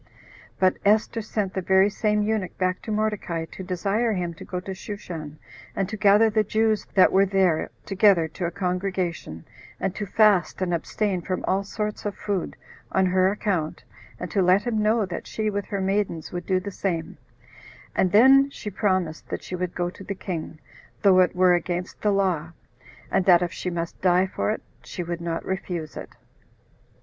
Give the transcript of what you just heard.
But Esther sent the very same eunuch back to Mordecai [to desire him] to go to Shushan, and to gather the Jews that were there together to a congregation, and to fast and abstain from all sorts of food, on her account, and [to let him know that] she with her maidens would do the same: and then she promised that she would go to the king, though it were against the law, and that if she must die for it, she would not refuse it.